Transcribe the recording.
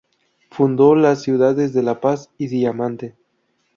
Fundó las ciudades de La Paz y Diamante.